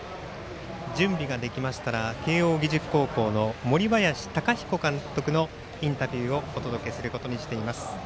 準備ができましたら慶応義塾高校の森林貴彦監督のインタビューをお届けすることにしています。